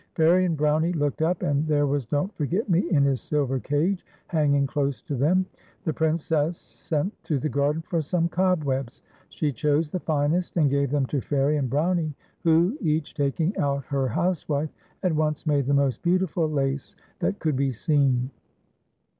Fairie and Brownie looked up, and there was Don't Forget Me in his silver cage, hanging close to them. The Princess sent to the garden for some cobwebs. i86 FAIRIE AND BROWNIE. She chose the finest, and gave them to Fairie and Brownie, who, each taking out her housewife, at once made the most beautiful lace that could be seen.